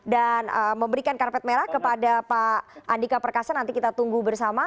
dan memberikan karpet merah kepada pak andika perkasa nanti kita tunggu bersama